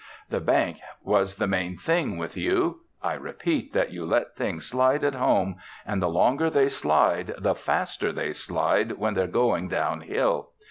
The bank was the main thing with you. I repeat that you let things slide at home and the longer they slide the faster they slide when they're going down hill.